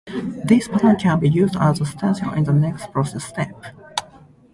This pattern can be used as a stencil in the next process step.